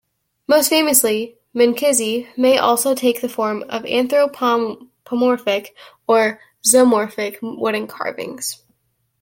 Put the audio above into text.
Most famously, minkisi may also take the form of anthropomorphic or zoomorphic wooden carvings.